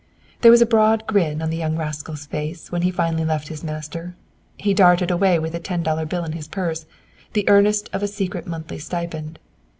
There was a broad grin on the young rascal's face when he finally left his master. He darted away with a ten dollar bill in his purse, the earnest of a secret monthly stipend.